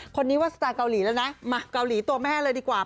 คนนี้ว่าสไตล์เกาหลีแล้วนะมาเกาหลีตัวแม่เลยดีกว่า